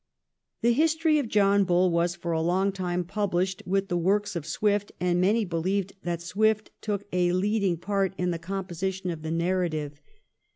The ' History of John Bull * was for a long time pubhshed with the works of Swift, and many believed that Swift took a leading part in the composition of the narrative.